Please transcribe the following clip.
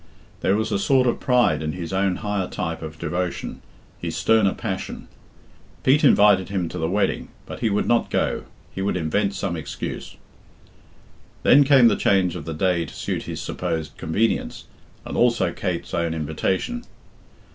There was a sort of pride in his own higher type of devotion, his sterner passion. Pete invited him to the wedding, but he would not go, he would invent some excuse. Then came the change of the day to suit his supposed convenience, and also Kate's own invitation.